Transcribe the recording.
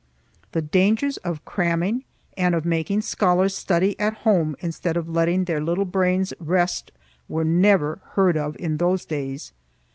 The dangers of cramming and of making scholars study at home instead of letting their little brains rest were never heard of in those days.